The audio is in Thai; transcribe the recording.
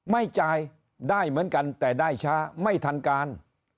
ไม่จ่ายได้เหมือนกันแต่ได้ช้าไม่ทันการ